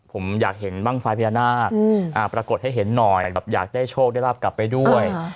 ผมอยากเห็นบ้างไฟพญานาคปรากฏให้เห็นหน่อยแบบอยากได้โชคได้รับกลับไปด้วย